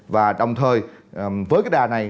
và đồng thời với cái đà này